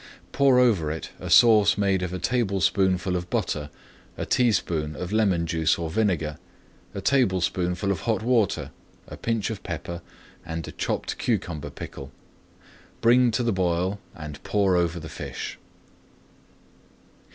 Pour over it a sauce made of a tablespoonful of butter, a teaspoonful of lemon juice or vinegar, a tablespoonful of hot water, a pinch of pepper, and a chopped cucumber pickle. Bring to the boil and pour over the fish.